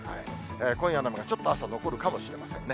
今夜の雨、ちょっと朝、残るかもしれませんね。